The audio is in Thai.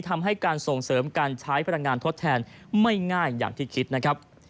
ทำให้การส่งเสริมการใช้พลังงานทดแทนไม่ง่ายอย่างที่คิดนะครับ